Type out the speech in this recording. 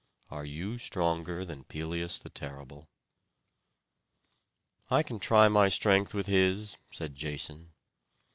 Are you stronger than Pelias the terrible?" "I can try my strength with his," said Jason.